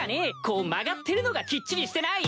こう曲がってるのがきっちりしてない！